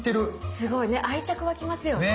すごいね愛着湧きますよね。ね。